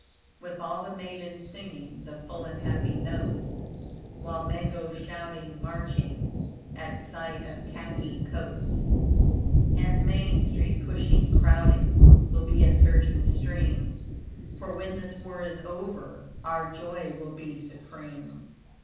With all the maidens singing The full and happy notes, While men go shouting, marching, At sight of khaki coats. And Main Street pushing, crowding, Will be a surging stream, For when this war is over Our joy will be supreme.